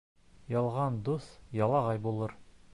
Ялған дуҫ ялағай булыр.